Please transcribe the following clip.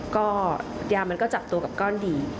ก็ยามันก็จับตัวกับก้อนดี